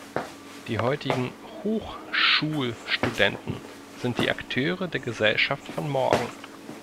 Die heutigen Hochschulstudenten sind die Akteure der Gesellschaft von morgen.